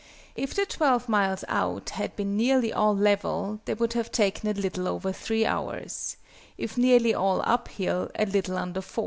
If the 12 miles out had been nearly all level, they would have taken a little over 3 hours; if nearly all up hill, a little under 4.